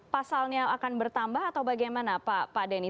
pasalnya akan bertambah atau bagaimana pak denny